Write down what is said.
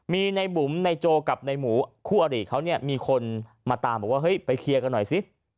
มีในบุ๋มในโจกับในหมูคู่อริเขาเนี่ยมีคนมาตามบอกว่าเฮ้ยไปเคลียร์กันหน่อยสิ